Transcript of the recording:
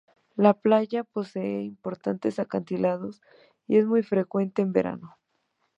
La playa posee importantes acantilados y es muy frecuentada en verano.